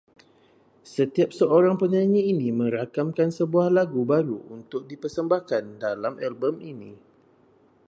Setiap seorang penyanyi ini merakamkan sebuah lagu baru untuk di persembahkan dalam album ini